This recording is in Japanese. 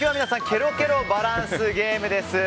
けろけろバランスゲームです。